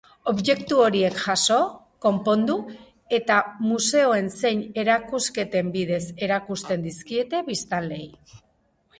Objektu horiek jaso, konpondu eta museoen zein erakusketen bidez erakusten dizkiete biztanleei.